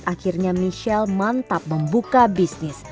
akhirnya michelle mantap membuka bisnis